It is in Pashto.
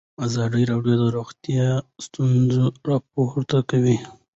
ازادي راډیو د روغتیا ستونزې راپور کړي.